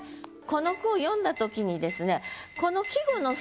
この句を読んだ時にですね